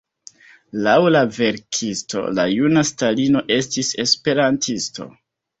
Laŭ la verkisto, la juna Stalino estis esperantisto.